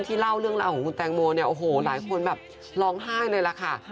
แล้วแล้วเรื่องราวของคุณแต้งโมโอ้โหหลายคนแบบร้องไห้เลยนะคะ